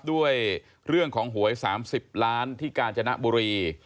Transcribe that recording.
ด้วยเรื่องของหวย๓๐ล้านที่กาญจนบุรี